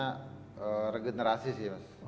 karena regenerasi sih mas